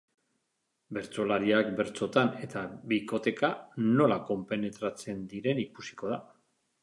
Bertsolariak bertsotan eta bikoteka nola konpenetratzen diren ikusiko da.